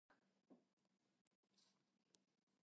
It is the only break in the entire Willkapampa mountain range.